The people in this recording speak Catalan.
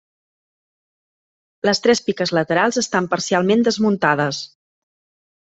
Les tres piques laterals estan parcialment desmuntades.